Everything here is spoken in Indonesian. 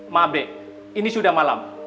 maaf ini sudah malam